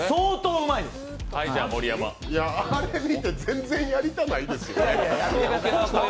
あれ見て、全然やりたないですよね。